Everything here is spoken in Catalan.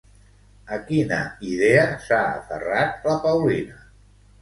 A quina idea s'ha aferrat la Paulina?